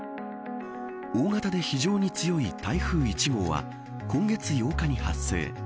大型で非常に強い台風１号は今月８日に発生。